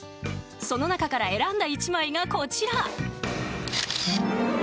その中から選んだ１枚がこちら。